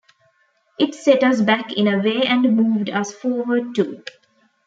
It set us back in a way and moved us forward too.